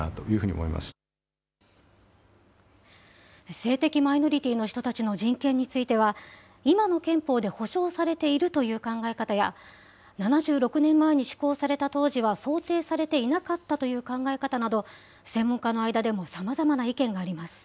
性的マイノリティーの人たちの人権については、今の憲法で保障されているという考え方や、７６年前に施行された当時は想定されていなかったという考え方など、専門家の間でもさまざまな意見があります。